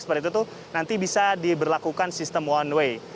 seperti itu nanti bisa diberlakukan sistem one way